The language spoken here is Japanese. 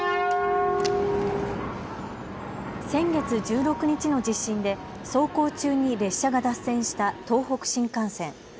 先月１６日の地震で走行中に列車が脱線した東北新幹線。